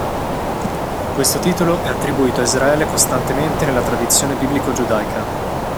Questo titolo è attribuito a Israele costantemente nella tradizione biblico-giudaica.